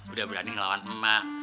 udah berani ngelawan emak